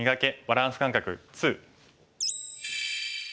バランス感覚２」。